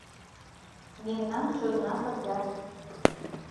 Мемнан чонна пырля.